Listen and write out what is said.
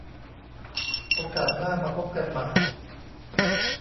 โอกาสหน้ามาพบกันใหม่